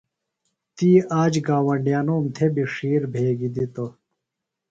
تی آ ج گاوۡنڈیانوم تھےۡ بیۡ ڇِھیر بھیگیۡ دِتوۡ۔